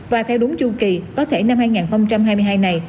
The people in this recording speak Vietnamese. và theo đúng chu kỳ có thể năm hai nghìn hai mươi hai này